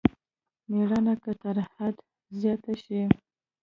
مېړانه که تر حد زيات شي.